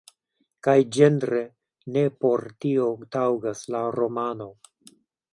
Kaj ĝenre ne por tio taŭgas la romano.